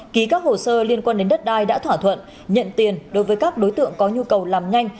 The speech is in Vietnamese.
ký các hồ sơ liên quan đến đất đai đã thỏa thuận nhận tiền đối với các đối tượng có nhu cầu làm nhanh